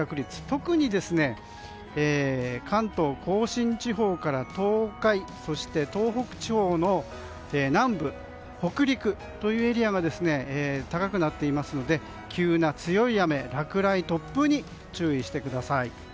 特に関東・甲信地方から東海そして東北地方の南部北陸というエリアが高くなっていますので急な強い雨、落雷、突風に注意してください。